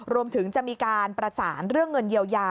รวมถึงจะมีการประสานเรื่องเงินเยียวยา